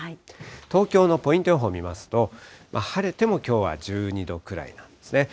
東京のポイント予報見ますと、晴れてもきょうは１２度くらいなんですね。